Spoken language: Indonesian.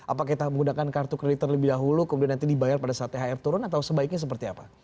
apakah kita menggunakan kartu kredit terlebih dahulu kemudian nanti dibayar pada saat thr turun atau sebaiknya seperti apa